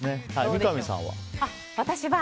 三上さんは？